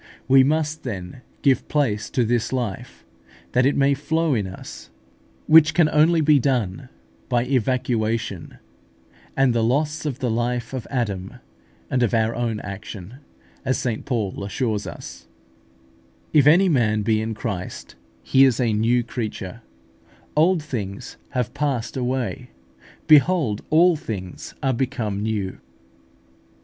We must then give place to this life, that it may flow in us, which can only be done by evacuation, and the loss of the life of Adam and of our own action, as St Paul assures us: "If any man be in Christ, he is a new creature: old things are passed away; behold all things are become new" (2 Cor.